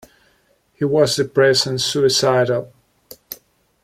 He was depressed and suicidal.